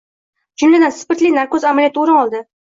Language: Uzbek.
Jumladan, spirtli narkoz amaliyotdan o‘rin oldi